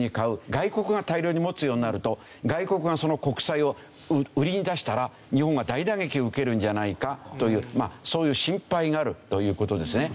外国が大量に持つようになると外国がその国債を売りに出したら日本が大打撃を受けるんじゃないかというそういう心配があるという事ですね。